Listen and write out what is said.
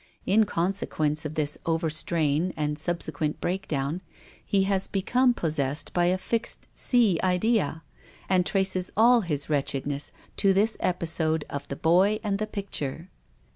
In consequence of this overstrain and subsequent breakdown, he has become possessed by a fixed sea idea, and traces all his wretchedness to this episode of the boy and the picture.